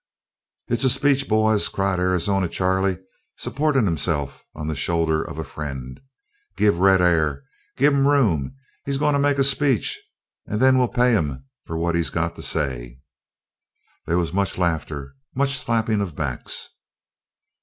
"It's a speech, boys," cried Arizona Charley, supporting himself on the shoulder of a friend. "Give Red air; give him room; he's going to make a speech! And then we'll pay him for what he's got to say." There was much laughter, much slapping of backs.